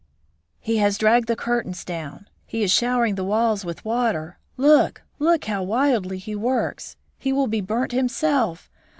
"He has dragged the curtains down! He is showering the walls with water! Look look! how wildly he works! He will be burnt himself.